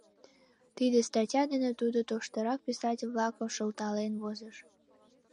Тиде статья дене тудо тоштырак писатель-влакым шылтален возыш.